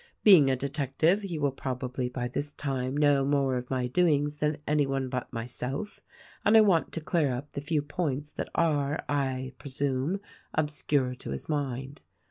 Being a detective he will probably by this time know more of my doings than anyone but myself, and I want to clear up the few points that are, I presume, obscure to his mind.